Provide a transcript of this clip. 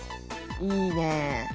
いいね。